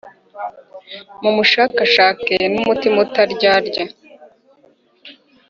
mumushakashake n’umutima utaryarya,